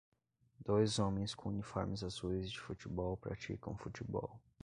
Dois homens com uniformes azuis de futebol praticam futebol.